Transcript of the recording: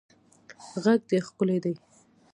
غږ دې ښکلی دی